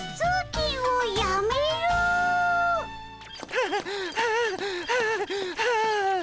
はあはあはあはあ。